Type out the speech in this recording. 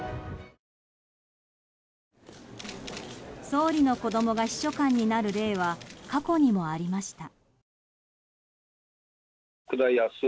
総理の子供が秘書官になる例は過去にもありました。